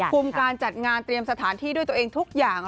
การจัดงานเตรียมสถานที่ด้วยตัวเองทุกอย่าง